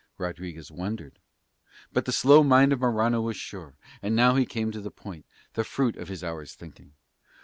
Rodriguez wondered; but the slow mind of Morano was sure, and now he came to the point, the fruit of his hour's thinking.